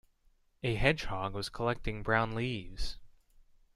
A hedgehog was collecting brown leaves.